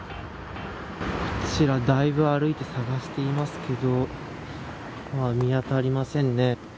こちらだいぶ歩いて探していますけど見当たりませんね。